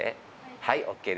はい。